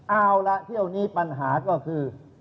เอาละเที่ยวนี้ปัญหาก็คือ